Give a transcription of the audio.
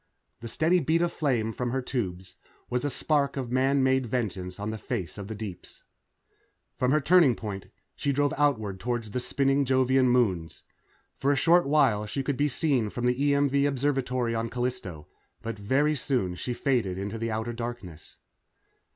The steady beat of flame from her tubes was a tiny spark of man made vengeance on the face of the deeps. From her turnover point, she drove outward toward the spinning Jovian moons. For a short while she could be seen from the EMV Observatory on Callisto, but very soon she faded into the outer darkness.